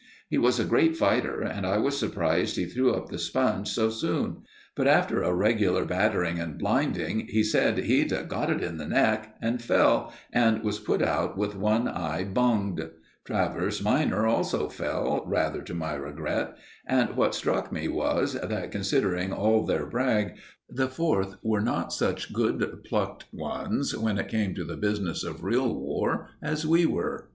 He was a great fighter, and I was surprised he threw up the sponge so soon; but after a regular battering and blinding, he said he'd "got it in the neck," and fell and was put out with one eye bunged. Travers minor also fell, rather to my regret; and what struck me was that, considering all their brag, the Fourth were not such good plucked ones when it came to the business of real war, as we were.